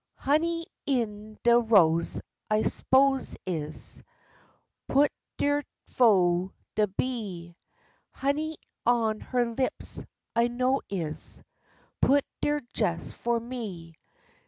Honey in de rose, I spose, is Put der fo' de bee; Honey on her lips, I knows, is Put der jes fo' me.